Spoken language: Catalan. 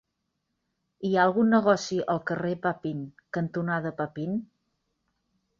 Hi ha algun negoci al carrer Papin cantonada Papin?